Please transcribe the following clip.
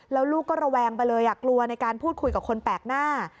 แล้วลูกก็ระแวงไปเลยกลัวในการพูดคุยกับคนแปลกหน้า